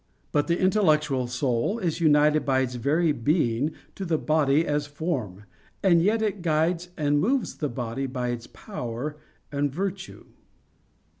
But the intellectual soul is united by its very being to the body as a form; and yet it guides and moves the body by its power and virtue.